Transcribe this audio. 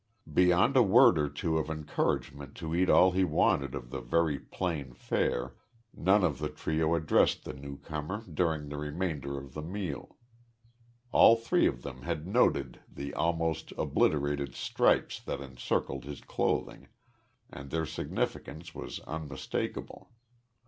Beyond a word or two of encouragement to eat all he wanted of the very plain fare, none of the trio addressed the newcomer during the remainder of the meal. All three of them had noted the almost obliterated stripes that encircled his clothing and their significance was unmistakable.